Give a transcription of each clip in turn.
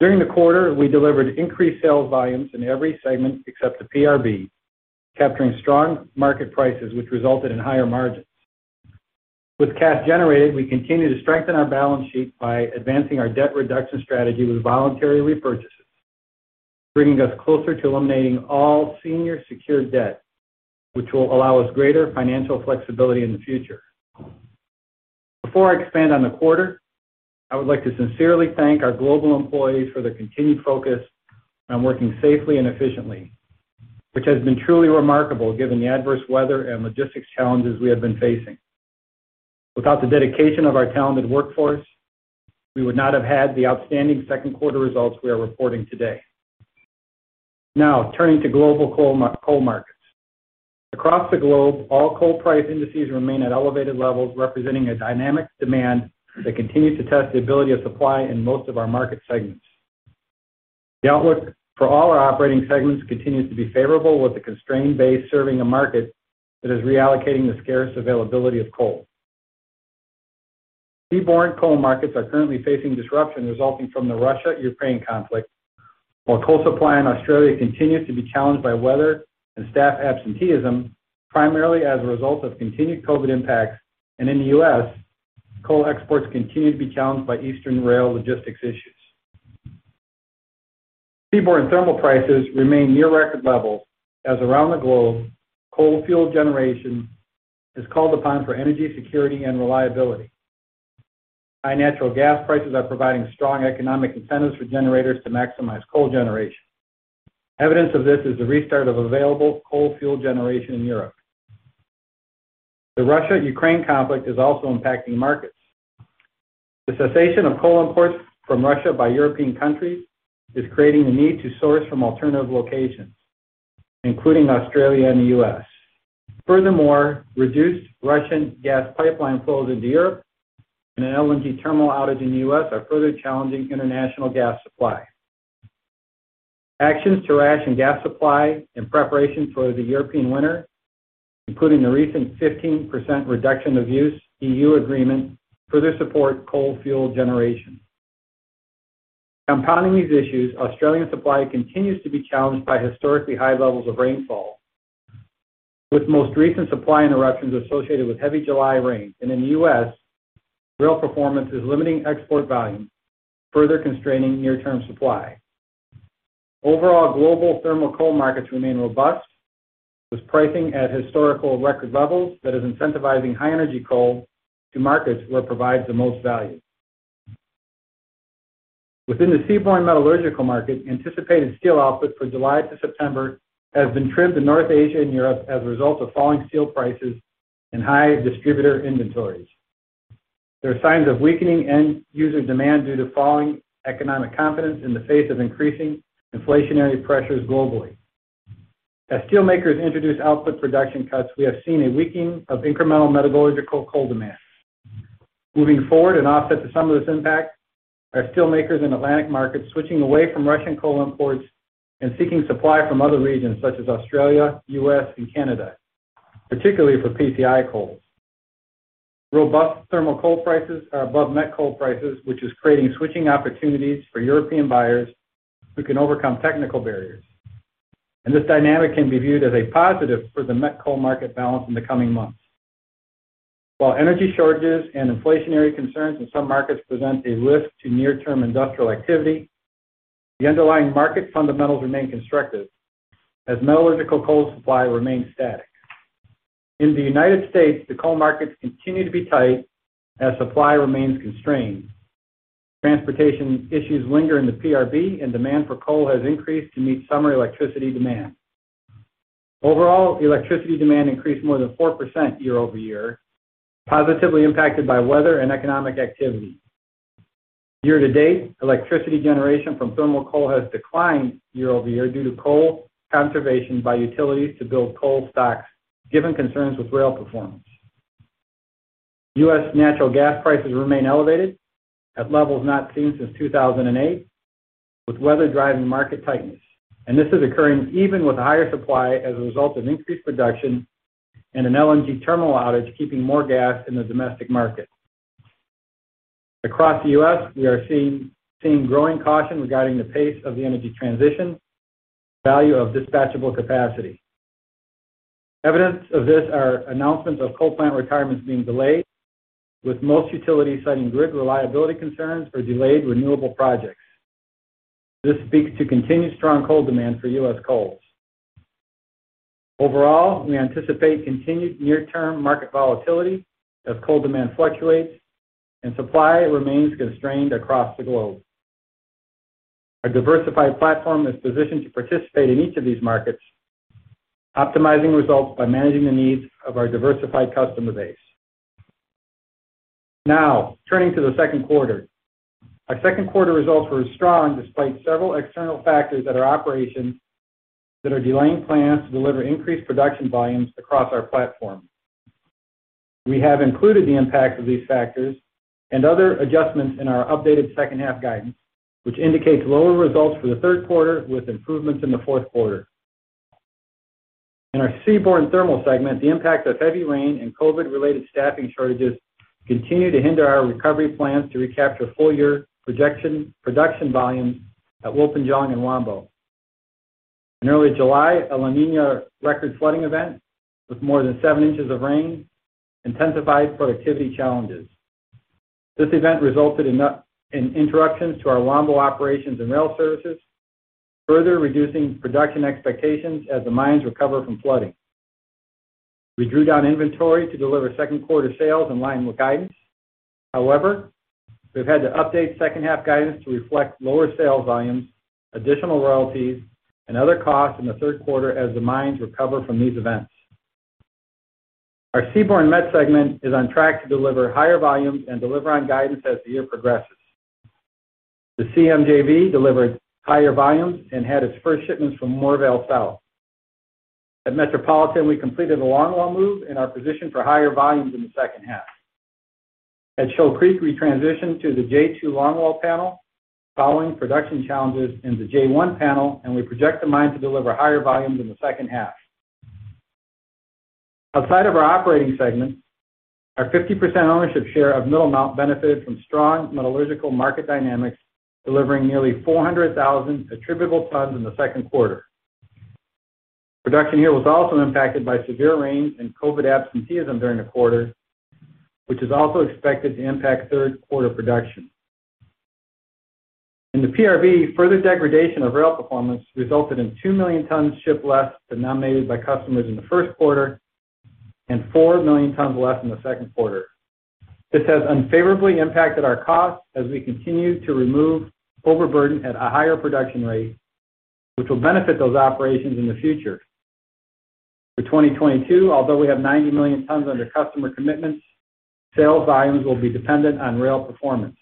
During the quarter, we delivered increased sales volumes in every segment except the PRB, capturing strong market prices, which resulted in higher margins. With cash generated, we continue to strengthen our balance sheet by advancing our debt reduction strategy with voluntary repurchases, bringing us closer to eliminating all senior secured debt, which will allow us greater financial flexibility in the future. Before I expand on the quarter, I would like to sincerely thank our global employees for their continued focus on working safely and efficiently, which has been truly remarkable given the adverse weather and logistics challenges we have been facing. Without the dedication of our talented workforce, we would not have had the outstanding second quarter results we are reporting today. Now, turning to global coal met coal markets. Across the globe, all coal price indices remain at elevated levels, representing a dynamic demand that continues to test the ability of supply in most of our market segments. The outlook for all our operating segments continues to be favorable, with a constrained base serving a market that is reallocating the scarce availability of coal. Seaborne coal markets are currently facing disruption resulting from the Russia-Ukraine conflict, while coal supply in Australia continues to be challenged by weather and staff absenteeism, primarily as a result of continued COVID impacts. In the U.S., coal exports continue to be challenged by eastern rail logistics issues. Seaborne Thermal prices remain near record levels as around the globe, coal fuel generation is called upon for energy security and reliability. High natural gas prices are providing strong economic incentives for generators to maximize coal generation. Evidence of this is the restart of available coal fuel generation in Europe. The Russia-Ukraine conflict is also impacting markets. The cessation of coal imports from Russia by European countries is creating the need to source from alternative locations, including Australia and the U.S. Furthermore, reduced Russian gas pipeline flows into Europe and an LNG terminal outage in the U.S. are further challenging international gas supply. Actions to ration gas supply in preparation for the European winter, including the recent 15% reduction in use EU agreement, further support coal fuel generation. Compounding these issues, Australian supply continues to be challenged by historically high levels of rainfall, with most recent supply interruptions associated with heavy July rain. In the U.S., rail performance is limiting export volume, further constraining near-term supply. Overall, global thermal coal markets remain robust, with pricing at historical record levels that is incentivizing high energy coal to markets where it provides the most value. Within the seaborne metallurgical market, anticipated steel output for July to September has been trimmed in North Asia and Europe as a result of falling steel prices and high distributor inventories. There are signs of weakening end-user demand due to falling economic confidence in the face of increasing inflationary pressures globally. As steelmakers introduce output production cuts, we have seen a weakening of incremental metallurgical coal demand. Moving forward and offset to some of this impact are steelmakers in Atlantic markets switching away from Russian coal imports and seeking supply from other regions such as Australia, U.S. and Canada, particularly for PCI coals. Robust thermal coal prices are above met coal prices, which is creating switching opportunities for European buyers who can overcome technical barriers. This dynamic can be viewed as a positive for the met coal market balance in the coming months. While energy shortages and inflationary concerns in some markets present a risk to near-term industrial activity, the underlying market fundamentals remain constructive as metallurgical coal supply remains static. In the United States, the coal markets continue to be tight as supply remains constrained. Transportation issues linger in the PRB, and demand for coal has increased to meet summer electricity demand. Overall, electricity demand increased more than 4% year-over-year, positively impacted by weather and economic activity. Year-to-date, electricity generation from thermal coal has declined year-over-year due to coal conservation by utilities to build coal stocks given concerns with rail performance. U.S. natural gas prices remain elevated at levels not seen since 2008, with weather driving market tightness. This is occurring even with higher supply as a result of increased production and an LNG terminal outage keeping more gas in the domestic market. Across the U.S., we are seeing growing caution regarding the pace of the energy transition and the value of dispatchable capacity. Evidence of this are announcements of coal plant retirements being delayed, with most utilities citing grid reliability concerns for delayed renewable projects. This speaks to continued strong coal demand for U.S. coals. Overall, we anticipate continued near-term market volatility as coal demand fluctuates and supply remains constrained across the globe. Our diversified platform is positioned to participate in each of these markets, optimizing results by managing the needs of our diversified customer base. Now, turning to the second quarter. Our second quarter results were strong despite several external factors at our operations that are delaying plans to deliver increased production volumes across our platform. We have included the impact of these factors and other adjustments in our updated second half guidance, which indicates lower results for the third quarter with improvements in the fourth quarter. In our Seaborne Thermal segment, the impact of heavy rain and COVID-related staffing shortages continue to hinder our recovery plans to recapture full-year production volumes at Wilpinjong and Wambo. In early July, a La Niña record flooding event with more than seven inches of rain intensified productivity challenges. This event resulted in interruptions to our Wambo operations and rail services, further reducing production expectations as the mines recover from flooding. We drew down inventory to deliver second quarter sales in line with guidance. However, we've had to update second half guidance to reflect lower sales volumes, additional royalties, and other costs in the third quarter as the mines recover from these events. Our Seaborne met segment is on track to deliver higher volumes and deliver on guidance as the year progresses. The CM JV delivered higher volumes and had its first shipments from Moorvale South. At Metropolitan, we completed the longwall move and are positioned for higher volumes in the second half. At Shoal Creek, we transitioned to the J2 longwall panel following production challenges in the J1 panel, and we project the mine to deliver higher volumes in the second half. Outside of our operating segments, our 50% ownership share of Middlemount benefited from strong metallurgical market dynamics, delivering nearly 400,000 attributable tons in the second quarter. Production here was also impacted by severe rain and COVID absenteeism during the quarter, which is also expected to impact third quarter production. In the PRB, further degradation of rail performance resulted in 2 million tons shipped less than nominated by customers in the first quarter and 4 million tons less in the second quarter. This has unfavorably impacted our costs as we continue to remove overburden at a higher production rate, which will benefit those operations in the future. For 2022, although we have 90 million tons under customer commitments, sales volumes will be dependent on rail performance.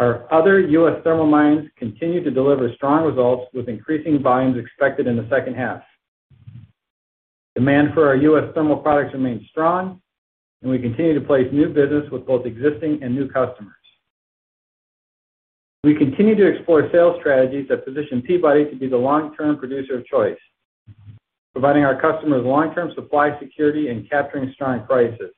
Our other U.S. thermal mines continue to deliver strong results, with increasing volumes expected in the second half. Demand for our U.S. thermal products remains strong, and we continue to place new business with both existing and new customers. We continue to explore sales strategies that position Peabody to be the long-term producer of choice, providing our customers long-term supply security and capturing strong prices.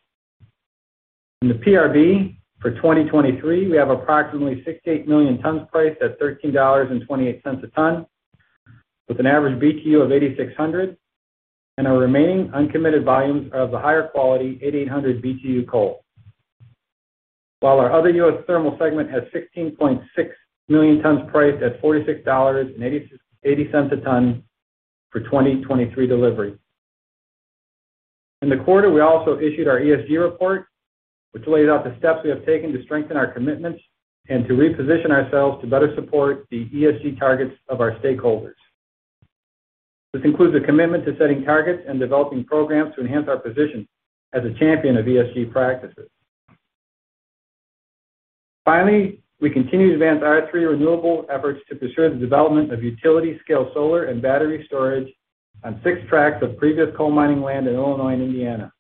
In the PRB for 2023, we have approximately 68 million tons priced at $13.28 a ton with an average BTU of 8,600 and our remaining uncommitted volumes of the higher quality 8,800 BTU coal. While our other U.S. thermal segment has 16.6 million tons priced at $46.80 a ton for 2023 delivery. In the quarter, we also issued our ESG report, which lays out the steps we have taken to strengthen our commitments and to reposition ourselves to better support the ESG targets of our stakeholders. This includes a commitment to setting targets and developing programs to enhance our position as a champion of ESG practices. Finally, we continue to advance our three renewable efforts to pursue the development of utility-scale solar and battery storage on six tracts of previous coal mining land in Illinois and Indiana.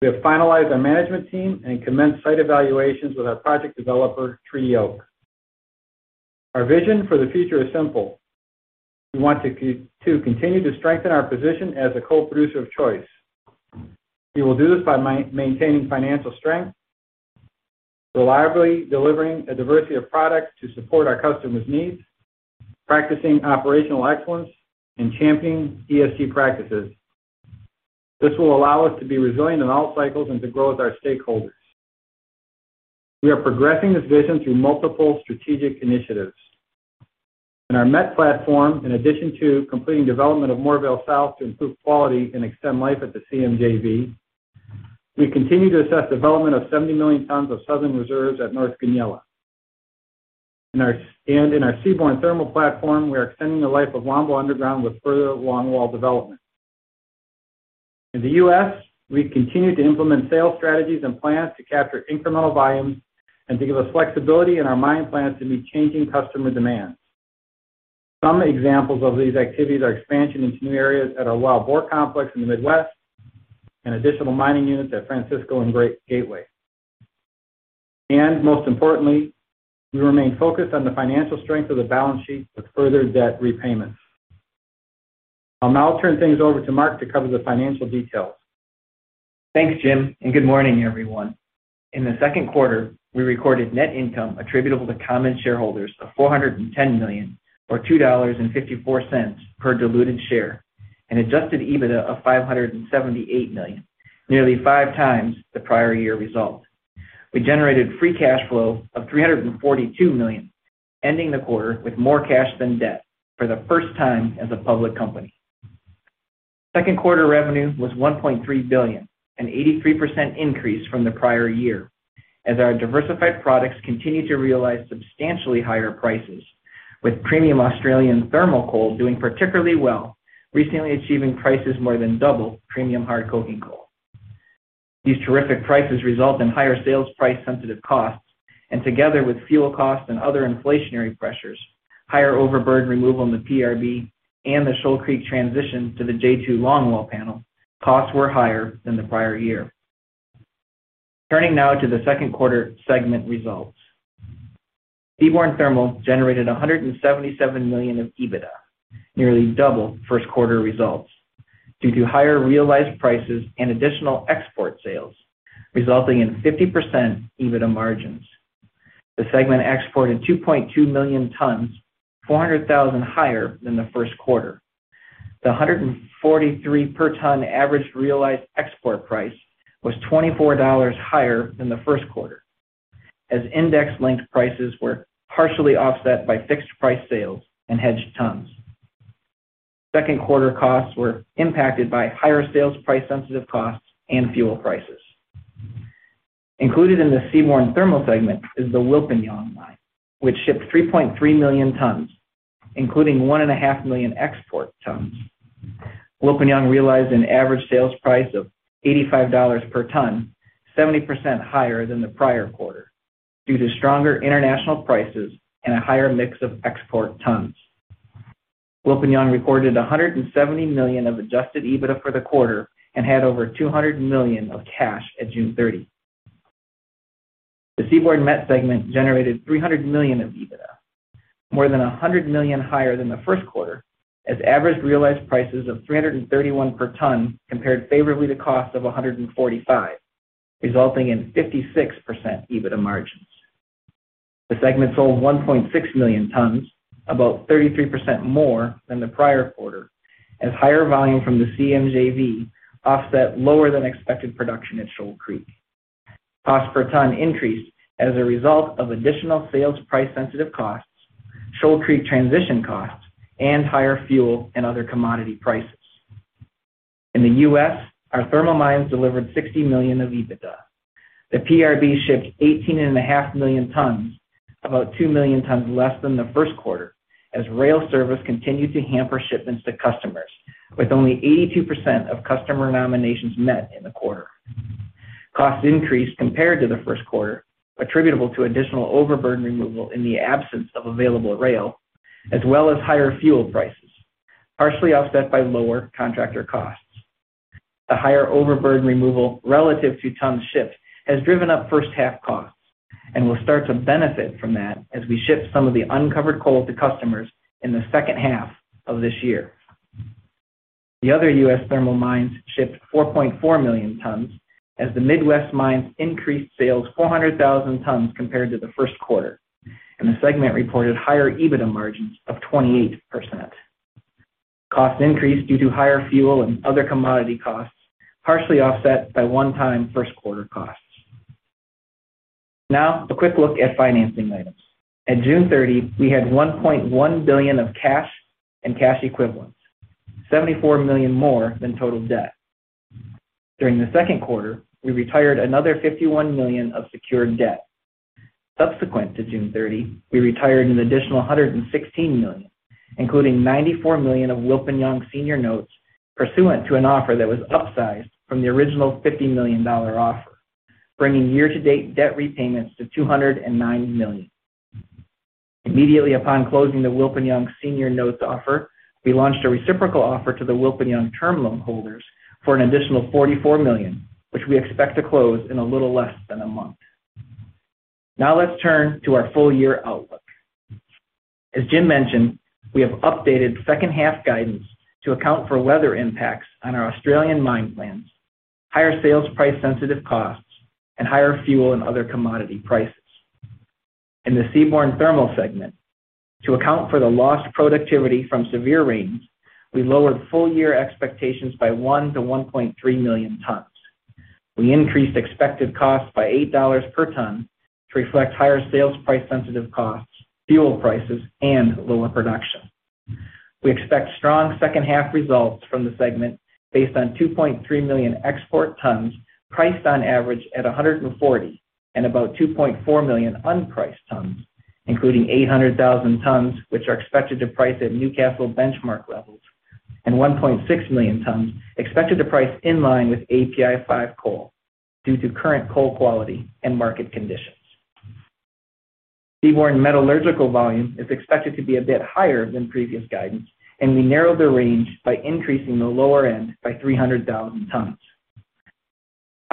We have finalized our management team and commenced site evaluations with our project developer, Tree Oak. Our vision for the future is simple. We want to continue to strengthen our position as a coal producer of choice. We will do this by maintaining financial strength, reliably delivering a diversity of products to support our customers' needs, practicing operational excellence, and championing ESG practices. This will allow us to be resilient in all cycles and to grow with our stakeholders. We are progressing this vision through multiple strategic initiatives. In our met platform, in addition to completing development of Moorvale South to improve quality and extend life at the CM JV, we continue to assess development of 70 million tons of southern reserves at North Goonyella. In our seaborne thermal platform, we are extending the life of Wambo Underground with further longwall development. In the U.S., we continue to implement sales strategies and plans to capture incremental volumes and to give us flexibility in our mine plans to meet changing customer demands. Some examples of these activities are expansion into new areas at our Wild Boar complex in the Midwest and additional mining units at Francisco and Gateway. Most importantly, we remain focused on the financial strength of the balance sheet with further debt repayments. I'll now turn things over to Mark to cover the financial details. Thanks, Jim, and good morning, everyone. In the second quarter, we recorded net income attributable to common shareholders of $410 million, or $2.54 per diluted share, and adjusted EBITDA of $578 million, nearly five times the prior year result. We generated free cash flow of $342 million, ending the quarter with more cash than debt for the first time as a public company. Second quarter revenue was $1.3 billion, an 83% increase from the prior year as our diversified products continued to realize substantially higher prices, with premium Australian thermal coal doing particularly well, recently achieving prices more than double premium hard coking coal. These terrific prices result in higher sales price-sensitive costs, and together with fuel costs and other inflationary pressures, higher overburden removal in the PRB, and the Shoal Creek transition to the J2 longwall panel, costs were higher than the prior year. Turning now to the second quarter segment results. Seaborne Thermal generated $177 million of EBITDA, nearly double first quarter results due to higher realized prices and additional export sales, resulting in 50% EBITDA margins. The segment exported 2.2 million tons, 400,000 higher than the first quarter. The $143 per ton average realized export price was $24 higher than the first quarter, as index-linked prices were partially offset by fixed-price sales and hedged tons. Second quarter costs were impacted by higher sales price-sensitive costs and fuel prices. Included in the Seaborne Thermal segment is the Wilpinjong mine, which shipped 3.3 million tons, including 1.5 million export tons. Wilpinjong realized an average sales price of $85 per ton, 70% higher than the prior quarter due to stronger international prices and a higher mix of export tons. Wilpinjong reported $170 million of adjusted EBITDA for the quarter and had over $200 million of cash at June 30. The Seaborne Met segment generated $300 million of EBITDA, more than $100 million higher than the first quarter, as average realized prices of $331 per ton compared favorably to cost of $145, resulting in 56% EBITDA margins. The segment sold 1.6 million tons, about 33% more than the prior quarter, as higher volume from the CM JV offset lower than expected production at Shoal Creek. Cost per ton increased as a result of additional sales price-sensitive costs, Shoal Creek transition costs, and higher fuel and other commodity prices. In the U.S., our thermal mines delivered $60 million of EBITDA. The PRB shipped 18.5 million tons, about 2 million tons less than the first quarter, as rail service continued to hamper shipments to customers, with only 82% of customer nominations met in the quarter. Cost increased compared to the first quarter, attributable to additional overburden removal in the absence of available rail, as well as higher fuel prices, partially offset by lower contractor costs. The higher overburden removal relative to tons shipped has driven up first half costs and will start to benefit from that as we ship some of the uncovered coal to customers in the second half of this year. The other U.S. thermal mines shipped 4.4 million tons as the Midwest mines increased sales 400,000 tons compared to the first quarter, and the segment reported higher EBITDA margins of 28%. Costs increased due to higher fuel and other commodity costs, partially offset by one-time first quarter costs. Now, a quick look at financing items. At June 30, we had $1.1 billion of cash and cash equivalents, $74 million more than total debt. During the second quarter, we retired another $51 million of secured debt. Subsequent to June 30, we retired an additional $116 million, including $94 million of Wilpinjong senior notes pursuant to an offer that was upsized from the original $50 million offer, bringing year-to-date debt repayments to $209 million. Immediately upon closing the Wilpinjong senior notes offer, we launched a reciprocal offer to the Wilpinjong term loan holders for an additional $44 million, which we expect to close in a little less than a month. Now let's turn to our full-year outlook. As Jim mentioned, we have updated second half guidance to account for weather impacts on our Australian mine plans, higher sales price-sensitive costs, and higher fuel and other commodity prices. In the Seaborne Thermal segment, to account for the lost productivity from severe rains, we lowered full-year expectations by 1-1.3 million tons. We increased expected costs by $8 per ton to reflect higher sales price-sensitive costs, fuel prices, and lower production. We expect strong second half results from the segment based on 2.3 million export tons priced on average at $140 and about 2.4 million unpriced tons, including 800,000 tons, which are expected to price at Newcastle benchmark levels and 1.6 million tons expected to price in line with API 5 coal due to current coal quality and market conditions. Seaborne Metallurgical volume is expected to be a bit higher than previous guidance, and we narrowed the range by increasing the lower end by 300,000 tons.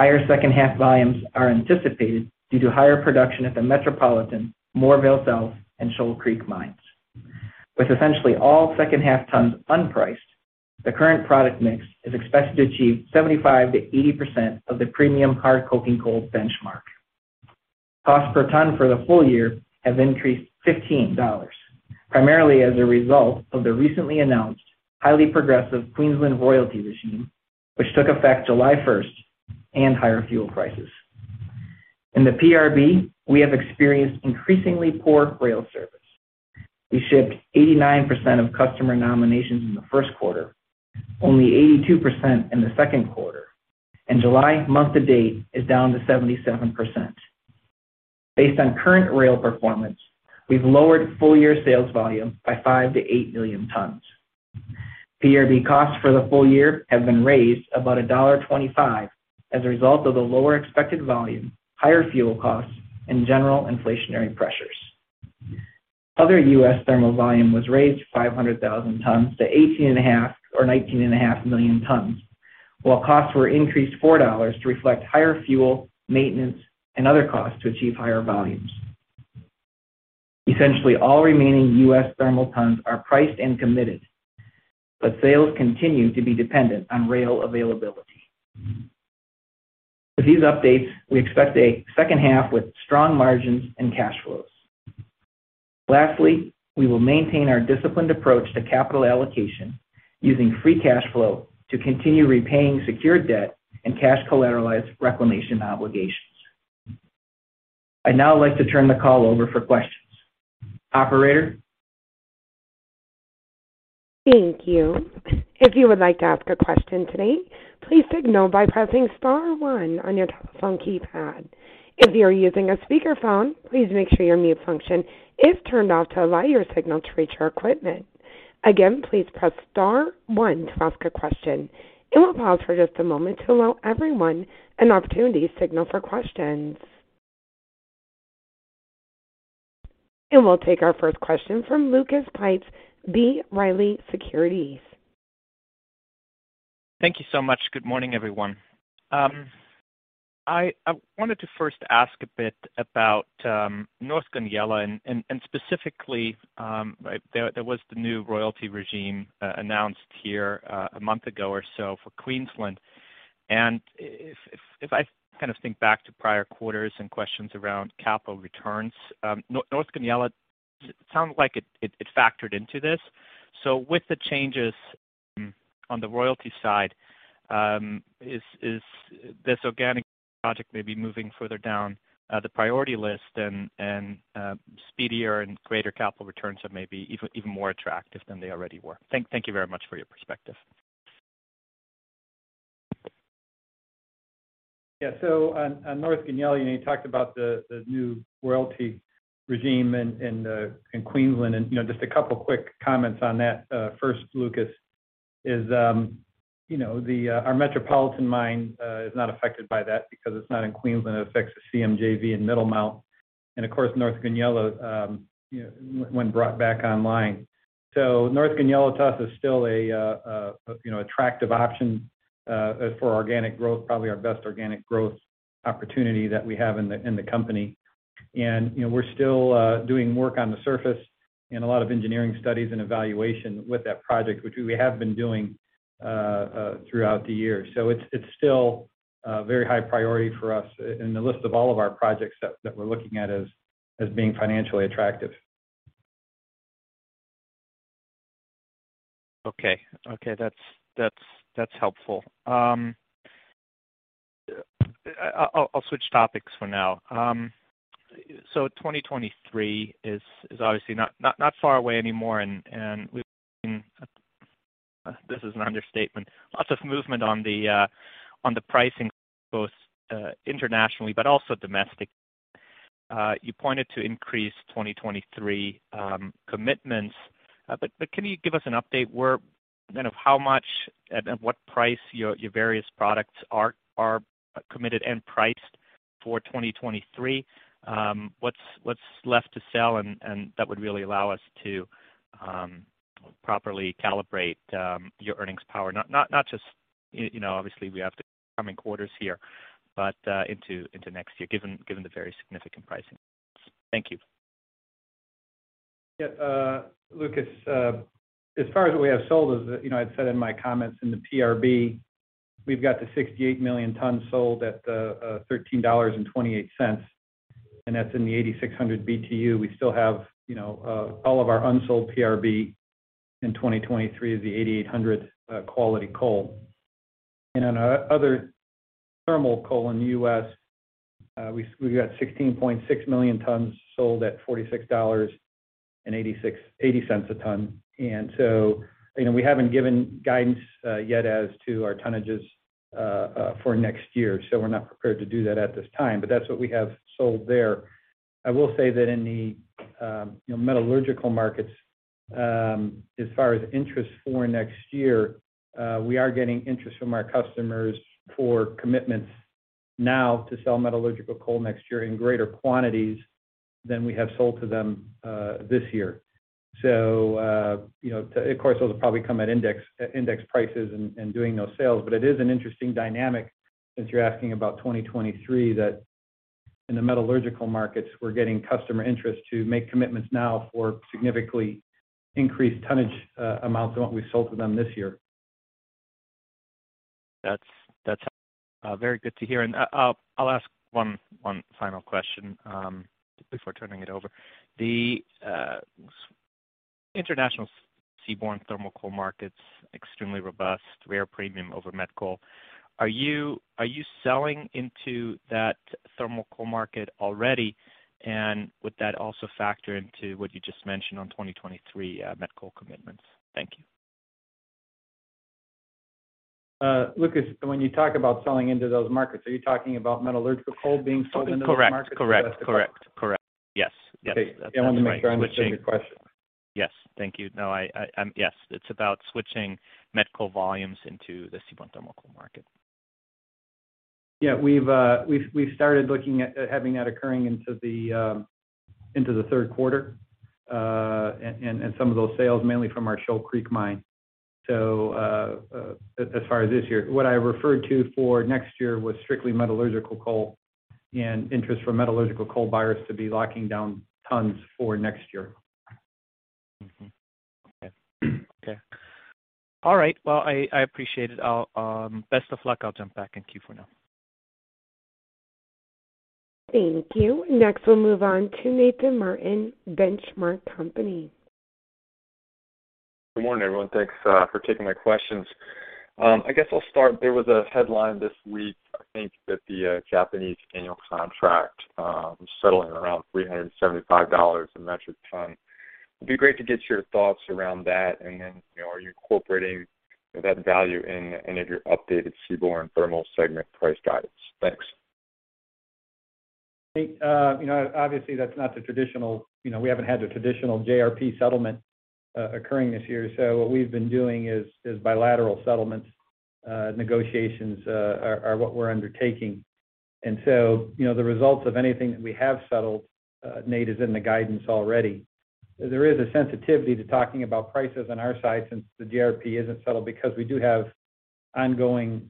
Higher second half volumes are anticipated due to higher production at the Metropolitan, Moorvale South, and Shoal Creek mines. With essentially all second half tons unpriced, the current product mix is expected to achieve 75%-80% of the premium hard coking gold benchmark. Cost per ton for the full-year have increased $15, primarily as a result of the recently announced highly progressive Queensland royalty regime, which took effect July 1st, and higher fuel prices. In the PRB, we have experienced increasingly poor rail service. We shipped 89% of customer nominations in the first quarter, only 82% in the second quarter, and July month to date is down to 77%. Based on current rail performance, we've lowered full-year sales volume by 5-8 million tons. PRB costs for the full-year have been raised about $1.25 as a result of the lower expected volume, higher fuel costs, and general inflationary pressures. Other U.S. thermal volume was raised 500,000 tons to 18.5 or 19.5 million tons, while costs were increased $4 to reflect higher fuel, maintenance, and other costs to achieve higher volumes. Essentially, all remaining U.S. thermal tons are priced and committed, but sales continue to be dependent on rail availability. With these updates, we expect a second half with strong margins and cash flows. Lastly, we will maintain our disciplined approach to capital allocation using free cash flow to continue repaying secured debt and cash collateralized reclamation obligations. I'd now like to turn the call over for questions. Operator? Thank you. If you would like to ask a question today, please signal by pressing star one on your telephone keypad. If you're using a speakerphone, please make sure your mute function is turned off to allow your signal to reach our equipment. Again, please press star one to ask a question. It will pause for just a moment to allow everyone an opportunity to signal for questions. We'll take our first question from Lucas Pipes, B. Riley Securities. Thank you so much. Good morning, everyone. I wanted to first ask a bit about North Goonyella and specifically, there was the new royalty regime announced here a month ago or so for Queensland. If I kind of think back to prior quarters and questions around capital returns, North Goonyella sounds like it factored into this. With the changes on the royalty side, is this organic project maybe moving further down the priority list and speedier and greater capital returns are maybe even more attractive than they already were. Thank you very much for your perspective. Yeah. On North Goonyella, you know, you talked about the new royalty regime in Queensland. You know, just a couple of quick comments on that. First, Lucas, you know, our Metropolitan mine is not affected by that because it's not in Queensland. It affects the CM JV in Middlemount. Of course, North Goonyella, you know, when brought back online. North Goonyella to us is still a you know, attractive option as for organic growth, probably our best organic growth opportunity that we have in the company. You know, we're still doing work on the surface and a lot of engineering studies and evaluation with that project, which we have been doing throughout the year. It's still a very high priority for us in the list of all of our projects that we're looking at as being financially attractive. Okay. That's helpful. I'll switch topics for now. So 2023 is obviously not far away anymore, and we've seen, this is an understatement, lots of movement on the pricing both internationally but also domestically. You pointed to increased 2023 commitments. But can you give us an update where kind of how much and at what price your various products are committed and priced for 2023? What's left to sell? And that would really allow us to properly calibrate your earnings power. Not just, you know, obviously, we have the coming quarters here, but into next year, given the very significant pricing. Thank you. Yeah. Lucas, as far as we have sold, as you know, I'd said in my comments in the PRB, we've got the 68 million tons sold at $13.28, and that's in the 8,600 BTU. We still have, you know, all of our unsold PRB in 2023 is the 8,800 quality coal. On our other thermal coal in the US, we've got 16.6 million tons sold at $46.86 a ton. You know, we haven't given guidance yet as to our tonnages for next year, so we're not prepared to do that at this time. That's what we have sold there. I will say that in the you know, metallurgical markets, as far as interest for next year, we are getting interest from our customers for commitments now to sell metallurgical coal next year in greater quantities than we have sold to them this year. You know, of course, those will probably come at index prices in doing those sales. It is an interesting dynamic since you're asking about 2023, that in the metallurgical markets, we're getting customer interest to make commitments now for significantly increased tonnage amounts of what we've sold to them this year. That's very good to hear. I'll ask one final question before turning it over. The international seaborne thermal coal market's extremely robust, rare premium over met coal. Are you selling into that thermal coal market already? Would that also factor into what you just mentioned on 2023 met coal commitments? Thank you. Lucas, when you talk about selling into those markets, are you talking about metallurgical coal being sold into those markets? Correct. Yes. That's right. Okay. I wanted to make sure I understood your question. Yes. Thank you. No, yes. It's about switching met coal volumes into the Seaborne thermal coal market. Yeah, we've started looking at having that occurring into the third quarter. Some of those sales mainly from our Shoal Creek mine. As far as this year, what I referred to for next year was strictly metallurgical coal and interest for metallurgical coal buyers to be locking down tons for next year. Okay. All right. Well, I appreciate it. Best of luck. I'll jump back in queue for now. Thank you. Next, we'll move on to Nate Martin, Benchmark Company. Good morning, everyone. Thanks for taking my questions. I guess I'll start. There was a headline this week, I think, that the Japanese annual contract was settling around $375 a metric ton. It'd be great to get your thoughts around that, and then, you know, are you incorporating that value in your updated Seaborne Thermal segment price guidance? Thanks. Nate, you know, obviously, that's not the traditional, you know, we haven't had the traditional JFY settlement occurring this year. What we've been doing is bilateral settlements negotiations are what we're undertaking. You know, the results of anything that we have settled, Nate, is in the guidance already. There is a sensitivity to talking about prices on our side since the JFY isn't settled because we do have ongoing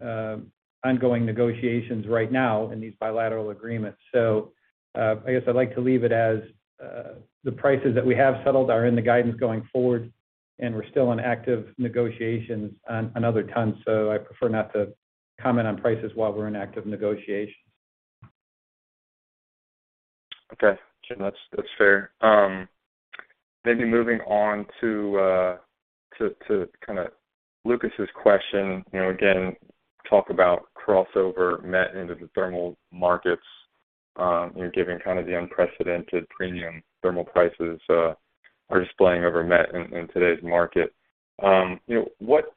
negotiations right now in these bilateral agreements. I guess I'd like to leave it as the prices that we have settled are in the guidance going forward, and we're still in active negotiations on another ton. I prefer not to comment on prices while we're in active negotiations. Okay. Sure, that's fair. Maybe moving on to kinda Lucas's question, you know, again, talk about crossover met into the thermal markets, you know, given kind of the unprecedented premium thermal prices are displaying over met in today's market. You know, what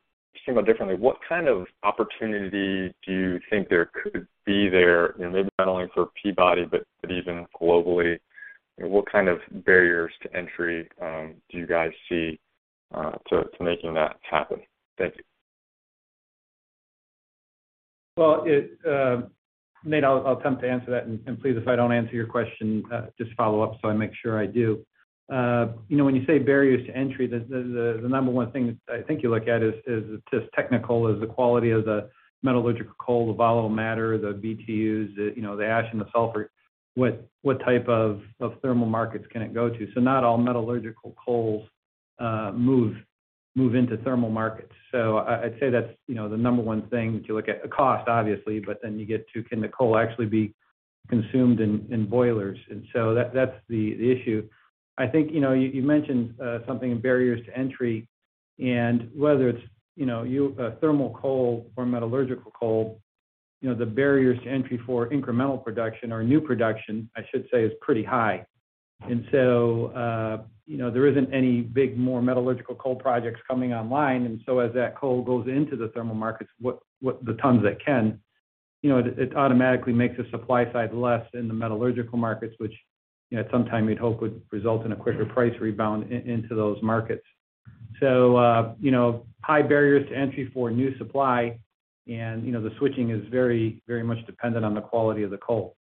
kind of opportunity do you think there could be there, you know, maybe not only for Peabody, but even globally? What kind of barriers to entry do you guys see to making that happen? Thank you. Well, Nate, I'll attempt to answer that. Please, if I don't answer your question, just follow up so I make sure I do. You know, when you say barriers to entry, the number one thing I think you look at is just technical. Is the quality of the metallurgical coal, the volatile matter, the BTUs, you know, the ash and the sulfur. What type of thermal markets can it go to? Not all metallurgical coals move into thermal markets. I'd say that's, you know, the number one thing to look at. The cost, obviously, but then you get to can the coal actually be consumed in boilers? That's the issue. I think, you know, you mentioned something about barriers to entry, and whether it's, you know, thermal coal or metallurgical coal, you know, the barriers to entry for incremental production or new production, I should say, is pretty high. There isn't any big new metallurgical coal projects coming online. As that coal goes into the thermal markets, whatever tons that can, you know, it automatically makes the supply side less in the metallurgical markets, which, you know, at some time we'd hope would result in a quicker price rebound into those markets. High barriers to entry for new supply and, you know, the switching is very, very much dependent on the quality of the coal.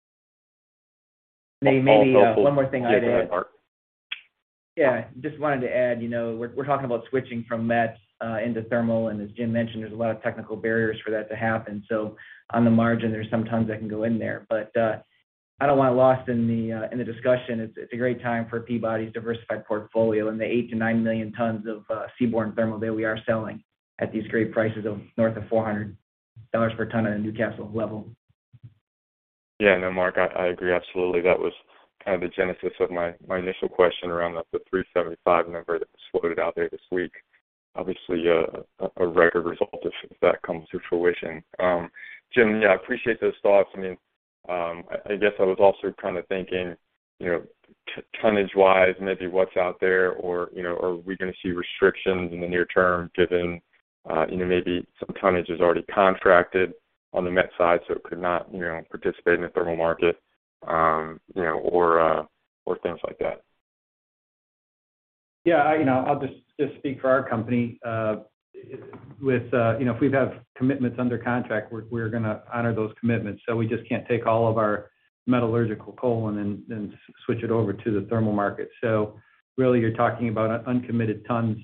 Maybe, one more thing I'd add. Yeah, go ahead, Mark. Yeah, just wanted to add, you know, we're talking about switching from mets into thermal, and as Jim mentioned, there's a lot of technical barriers for that to happen. So on the margin, there's some tons that can go in there. But I don't want it lost in the discussion. It's a great time for Peabody's diversified portfolio and the 8-9 million tons of Seaborne Thermal that we are selling at these great prices of north of $400 per ton in the Newcastle level. Yeah. No, Mark, I agree, absolutely. That was kind of the genesis of my initial question around the $375 number that floated out there this week. Obviously, a record result if that comes to fruition. Jim, yeah, I appreciate those thoughts. I mean, I guess I was also kind of thinking, you know, tonnage-wise, maybe what's out there or, you know, are we gonna see restrictions in the near term given, you know, maybe some tonnage is already contracted on the met side, so it could not, you know, participate in the thermal market, you know, or things like that. Yeah, you know, I'll just speak for our company. With, you know, if we have commitments under contract, we're gonna honor those commitments. We just can't take all of our metallurgical coal and then switch it over to the thermal market. Really you're talking about uncommitted tons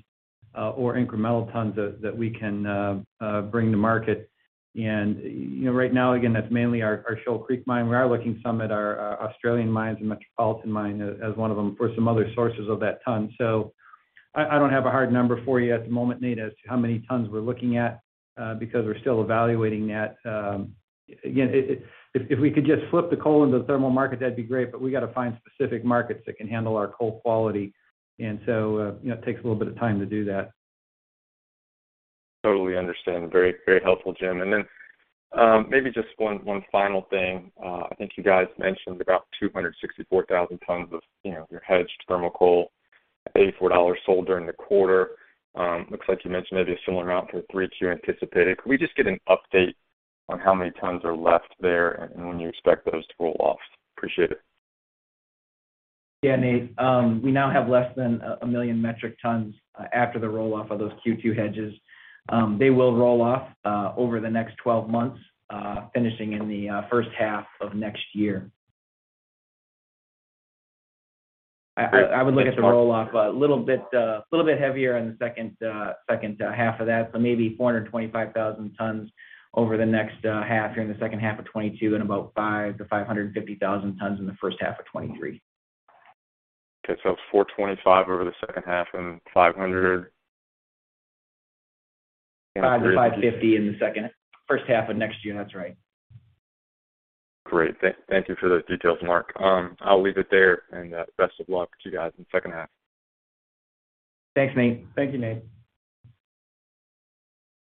or incremental tons that we can bring to market. You know, right now, again, that's mainly our Shoal Creek mine. We are looking at some of our Australian mines and Metropolitan mine as one of them for some other sources of that ton. I don't have a hard number for you at the moment, Nate, as to how many tons we're looking at, because we're still evaluating that. Again, if we could just flip the coal into the thermal market, that'd be great, but we got to find specific markets that can handle our coal quality. You know, it takes a little bit of time to do that. Totally understand. Very, very helpful, Jim. Maybe just one final thing. I think you guys mentioned about 264,000 tons of, you know, your hedged thermal coal at $84 sold during the quarter. Looks like you mentioned maybe a similar amount for 3Q anticipated. Could we just get an update on how many tons are left there and when you expect those to roll off? Appreciate it. Yeah, Nate, we now have less than 1 million metric tons after the roll-off of those Q2 hedges. They will roll off over the next 12 months, finishing in the first half of next year. I would look at the roll-off a little bit heavier in the second half of that, so maybe 425,000 tons over the next half during the second half of 2022, and about 500-550,000 tons in the first half of 2023. $425 over the second half and $500 $500-$550 in the first half of next year. That's right. Great. Thank you for those details, Mark. I'll leave it there, and best of luck to you guys in the second half. Thanks, Nate. Thank you, Nate.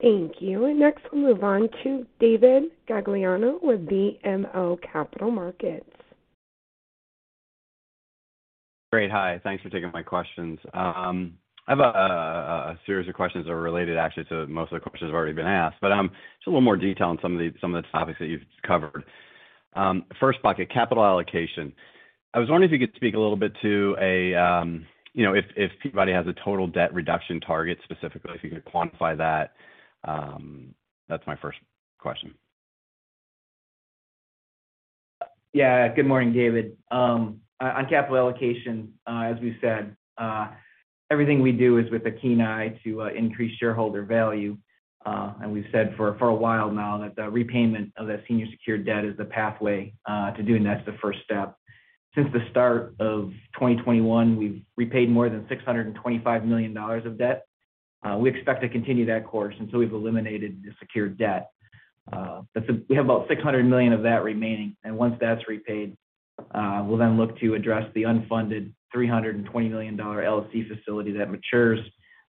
Thank you. Next we'll move on to David Gagliano with BMO Capital Markets. Great. Hi, thanks for taking my questions. I have a series of questions that are related actually to most of the questions that have already been asked, but just a little more detail on some of the topics that you've covered. First bucket, capital allocation. I was wondering if you could speak a little bit to, you know, if Peabody has a total debt reduction target, specifically if you could quantify that. That's my first question. Yeah. Good morning, David. On capital allocation, as we've said, everything we do is with a keen eye to increase shareholder value. We've said for a while now that the repayment of the senior secured debt is the pathway to doing that. It's the first step. Since the start of 2021, we've repaid more than $625 million of debt. We expect to continue that course until we've eliminated the secured debt. That's, we have about $600 million of that remaining, and once that's repaid, we'll then look to address the unfunded $320 million LC facility that matures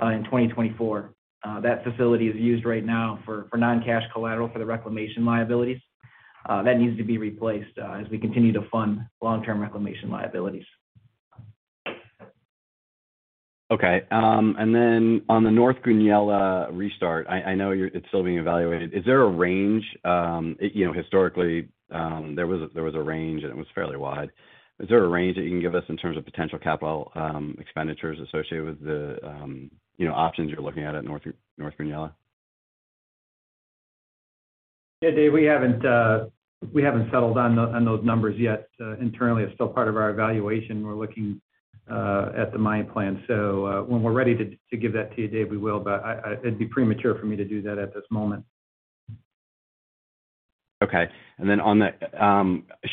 in 2024. That facility is used right now for non-cash collateral for the reclamation liabilities. That needs to be replaced as we continue to fund long-term reclamation liabilities. Okay. On the North Goonyella restart, I know it's still being evaluated. Is there a range? You know, historically, there was a range, and it was fairly wide. Is there a range that you can give us in terms of potential capital expenditures associated with the, you know, options you're looking at at North Goonyella? Yeah, Dave, we haven't settled on those numbers yet. Internally, it's still part of our evaluation. We're looking at the mine plan. When we're ready to give that to you, Dave, we will, but it'd be premature for me to do that at this moment. Okay. Then on the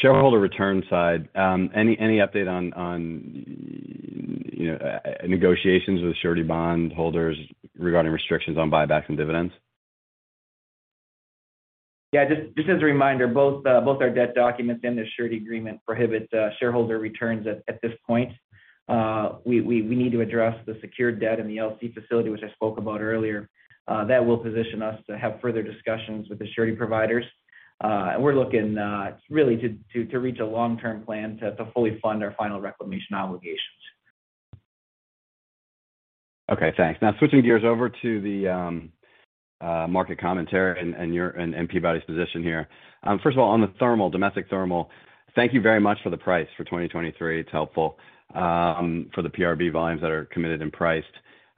shareholder return side, any update on you know, negotiations with surety bond holders regarding restrictions on buybacks and dividends? Yeah. Just as a reminder, both our debt documents and the surety agreement prohibit shareholder returns at this point. We need to address the secured debt in the LC facility, which I spoke about earlier. That will position us to have further discussions with the surety providers. We're looking really to reach a long-term plan to fully fund our final reclamation obligations. Okay, thanks. Now, switching gears over to the market commentary and your and Peabody's position here. First of all, on the thermal, domestic thermal, thank you very much for the price for 2023. It's helpful for the PRB volumes that are committed and priced.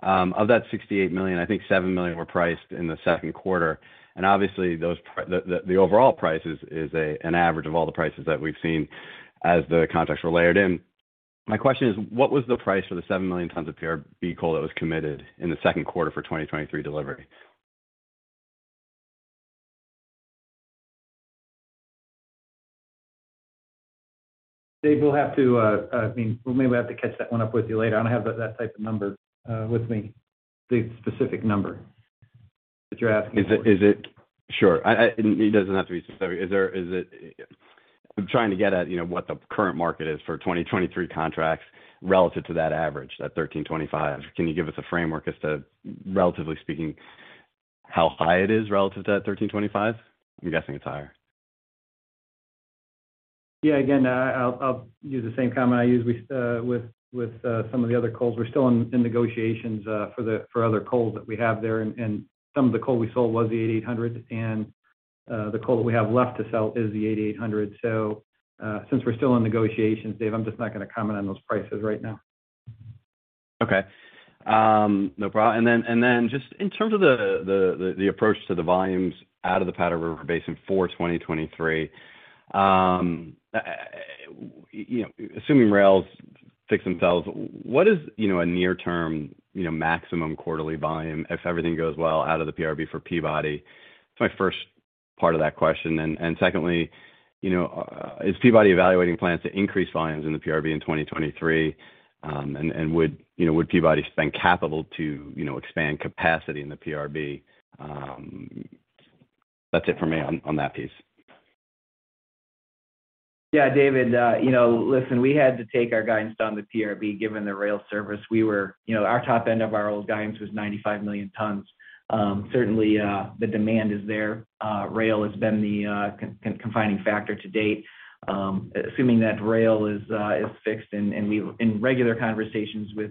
Of that 68 million, I think 7 million were priced in the second quarter. Obviously those, the overall price is an average of all the prices that we've seen as the contracts were layered in. My question is, what was the price for the 7 million tons of PRB coal that was committed in the second quarter for 2023 delivery? David, we'll have to, I mean, we may have to catch that one up with you later. I don't have that type of number, with me, the specific number that you're asking about. Sure. It doesn't have to be specific. I'm trying to get at, you know, what the current market is for 2023 contracts relative to that average, that $1,325. Can you give us a framework as to, relatively speaking, how high it is relative to that $1,325? I'm guessing it's higher. Yeah. Again, I'll use the same comment I used with some of the other coals. We're still in negotiations for other coal that we have there. Some of the coal we sold was the 8,800, and the coal that we have left to sell is the 8,800. Since we're still in negotiations, David, I'm just not gonna comment on those prices right now. Okay. No problem. Just in terms of the approach to the volumes out of the Powder River Basin for 2023, you know, assuming rails fix themselves, what is, you know, a near-term, you know, maximum quarterly volume if everything goes well out of the PRB for Peabody? That's my first part of that question. Secondly, you know, is Peabody evaluating plans to increase volumes in the PRB in 2023? And would, you know, would Peabody spend capital to, you know, expand capacity in the PRB? That's it for me on that piece. Yeah, David, you know, listen, we had to take our guidance down with PRB given the rail service. You know, our top end of our old guidance was 95 million tons. Certainly, the demand is there. Rail has been the confining factor to date. Assuming that rail is fixed. In regular conversations with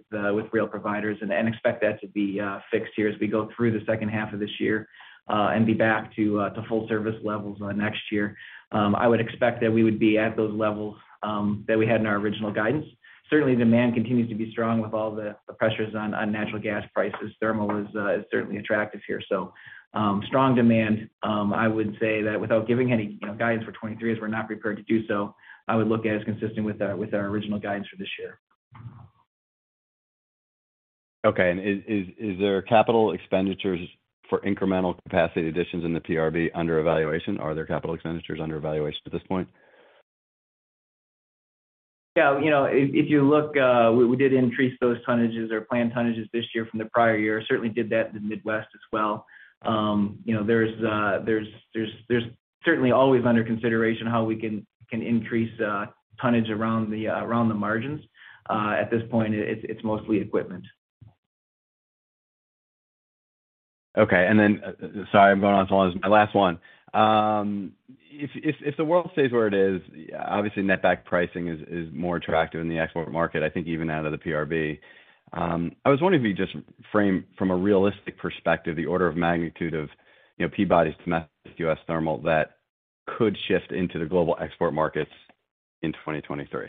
rail providers and expect that to be fixed here as we go through the second half of this year, and be back to full service levels by next year. I would expect that we would be at those levels that we had in our original guidance. Certainly, demand continues to be strong with all the pressures on natural gas prices. Thermal is certainly attractive here. Strong demand. I would say that without giving any, you know, guidance for 2023, as we're not prepared to do so, I would look at as consistent with our original guidance for this year. Okay. Is there capital expenditures for incremental capacity additions in the PRB under evaluation? Are there capital expenditures under evaluation at this point? Yeah. You know, if you look, we did increase those tonnages or planned tonnages this year from the prior year. Certainly did that in the Midwest as well. You know, there's certainly always under consideration how we can increase tonnage around the margins. At this point, it's mostly equipment. Okay. Sorry, I'm going on so long. This is my last one. If the world stays where it is, obviously netback pricing is more attractive in the export market, I think even out of the PRB. I was wondering if you could just frame from a realistic perspective the order of magnitude of, you know, Peabody's domestic U.S. thermal that could shift into the global export markets in 2023.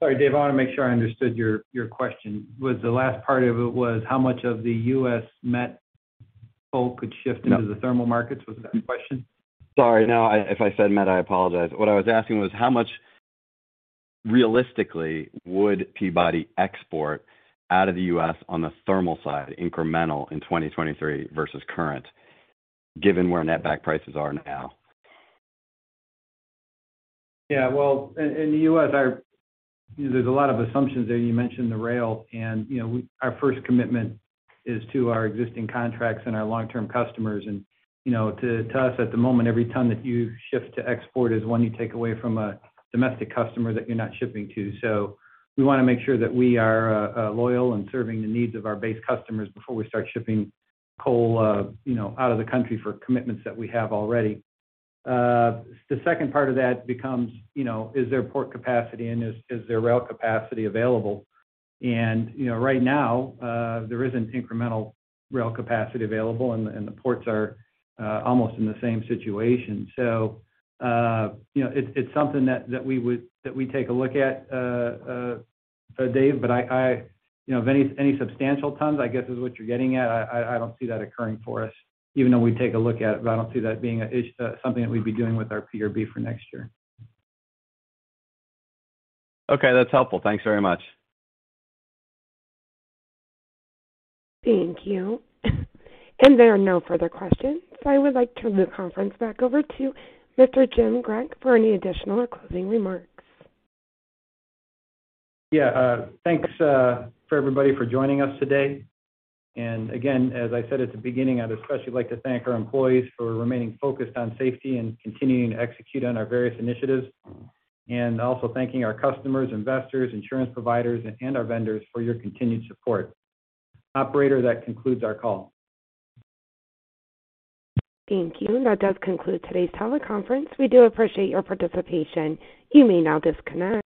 Sorry, Dave. I wanna make sure I understood your question. Was the last part of it how much of the U.S. met coal could shift? No. Into the thermal markets? Was that the question? Sorry. No. If I said met, I apologize. What I was asking was how much realistically would Peabody export out of the U.S. on the thermal side incremental in 2023 versus current, given where net back prices are now? Well, in the US, you know, there's a lot of assumptions there. You mentioned the rail and, you know, our first commitment is to our existing contracts and our long-term customers. You know, to us at the moment, every ton that you shift to export is one you take away from a domestic customer that you're not shipping to. We wanna make sure that we are loyal and serving the needs of our base customers before we start shipping coal, you know, out of the country for commitments that we have already. The second part of that becomes, you know, is there port capacity and is there rail capacity available? You know, right now, there isn't incremental rail capacity available, and the ports are almost in the same situation. You know, it's something that we take a look at, Dave. You know, of any substantial tons, I guess, is what you're getting at, I don't see that occurring for us even though we take a look at it, but I don't see that being something that we'd be doing with our PRB for next year. Okay, that's helpful. Thanks very much. Thank you. There are no further questions, so I would like to turn the conference back over to Mr. Jim Grech for any additional or closing remarks. Yeah. Thanks for everybody for joining us today. Again, as I said at the beginning, I'd especially like to thank our employees for remaining focused on safety and continuing to execute on our various initiatives. Also thanking our customers, investors, insurance providers, and our vendors for your continued support. Operator, that concludes our call. Thank you. That does conclude today's teleconference. We do appreciate your participation. You may now disconnect.